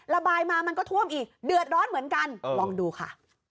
ระบายมามันก็ท่วมอีกเดือดร้อนเหมือนกันลองดูค่ะ